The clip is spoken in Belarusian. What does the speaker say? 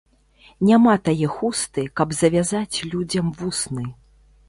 Няма тае хусты, каб завязаць людзям вусны